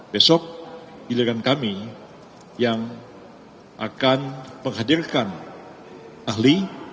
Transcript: besok giliran kami yang akan menghadirkan ahli